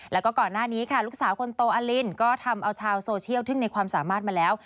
แล้วก็ก่อนหน้านี้ค่ะลูกสาวคนโตอลินก็ทำเอาชาวโซเชียลทึ่งในความสามารถมาแล้ว